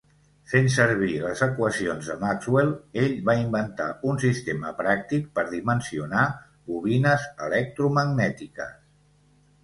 Fent servir les equacions de Maxwell ell va inventar un sistema pràctic per dimensionar bobines electromagnètiques.